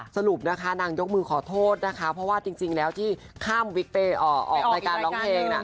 สรุปนะคะนางยกมือขอโทษนะคะเพราะว่าจริงแล้วที่ข้ามวิกไปออกรายการร้องเพลง